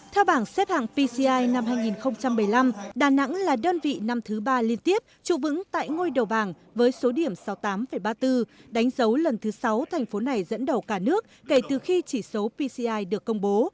theo bảng xếp hạng pci năm hai nghìn một mươi năm đà nẵng là đơn vị năm thứ ba liên tiếp trụ vững tại ngôi đầu bảng với số điểm sáu mươi tám ba mươi bốn đánh dấu lần thứ sáu thành phố này dẫn đầu cả nước kể từ khi chỉ số pci được công bố